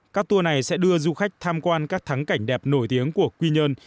các tour này sẽ đưa du khách tham quan các thắng cảnh đẹp nổi tiếng của quy nhơn